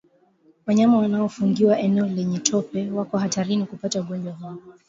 Wanyama wanaofungiwa eneo lenye tope wako hatarini kupata ugonjwa huu